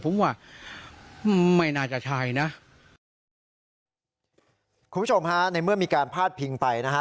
ผมว่าไม่น่าจะใช่นะคุณผู้ชมฮะในเมื่อมีการพาดพิงไปนะฮะ